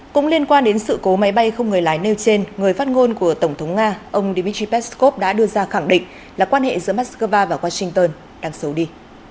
cũng liên quan đến sự cố máy bay không người lái nêu trên người phát ngôn của tổng thống nga ông dmitry peskov đã đưa ra khẳng định là quan hệ giữa moscow và washington đang xấu đi